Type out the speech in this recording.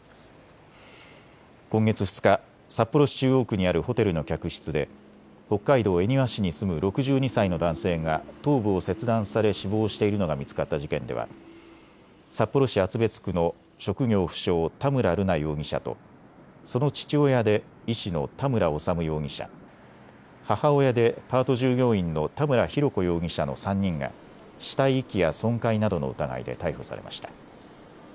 今月２日、札幌市中央区にあるホテルの客室で北海道恵庭市に住む６２歳の男性が頭部を切断され死亡しているのが見つかった事件では札幌市厚別区の職業不詳、田村瑠奈容疑者とその父親で医師の田村修容疑者、母親でパート従業員の田村浩子容疑者の３人が死体遺棄や損壊などの疑いで逮捕されました。